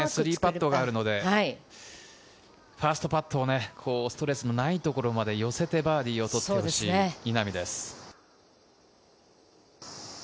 ファーストパットをストレスのないところまで寄せてバーディーを取ってほしいです、稲見です。